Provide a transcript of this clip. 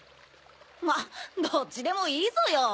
まぁどっちでもいいぞよ。